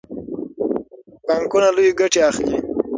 بانکونه لویې ګټې اخلي.